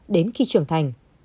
đến khi trưởng thành